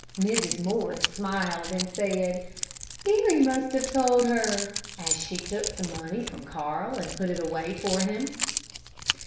Mrs. Morris smiled, and said, "Barry must have told her," as she took the money from Carl to put away for him.